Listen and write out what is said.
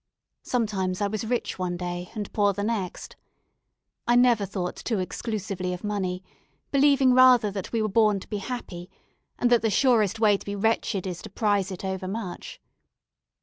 Sometimes I was rich one day, and poor the next. I never thought too exclusively of money, believing rather that we were born to be happy, and that the surest way to be wretched is to prize it overmuch.